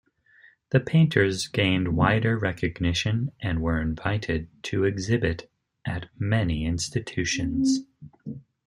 The painters gained wider recognition and were invited to exhibit at many institutions.